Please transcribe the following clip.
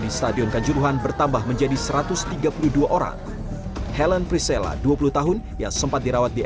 di stadion kanjuruhan bertambah menjadi satu ratus tiga puluh dua orang helen prissella dua puluh tahun yang sempat dirawat di